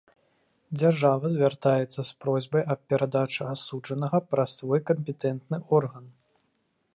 Дзяржава звяртаецца з просьбай аб перадачы асуджанага праз свой кампетэнтны орган.